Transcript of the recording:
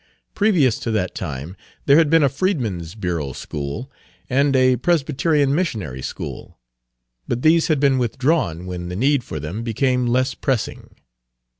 Previous to that time, there had been a Freedman's Bureau school and a Presbyterian missionary school, but these had been withdrawn when the need for them became less pressing.